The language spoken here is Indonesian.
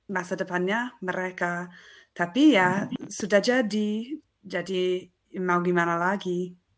masa depannya mereka tapi ya sudah jadi jadi mau gimana lagi